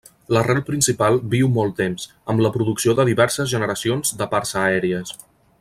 L'arrel principal viu molt temps, amb la producció de diverses generacions de parts aèries.